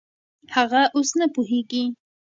هغه اوس نه پوهېږي.